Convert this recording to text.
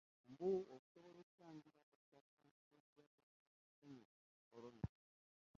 Mbu okusobola okutangira okusaasaana kw'ekirwadde kya Ssennyiga Corona